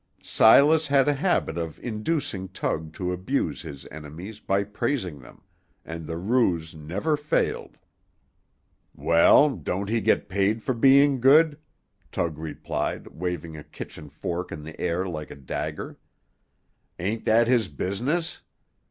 Silas had a habit of inducing Tug to abuse his enemies by praising them, and the ruse never failed. "Well, don't he get paid for being good?" Tug replied, waving a kitchen fork in the air like a dagger. "Ain't that his business?